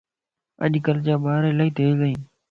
اڄ ڪل جا ٻار الائي تيزائين